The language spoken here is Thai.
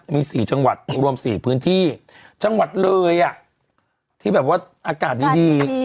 มี๔จังหวัดรวม๔พื้นที่จังหวัดเลยอ่ะที่แบบว่าอากาศดี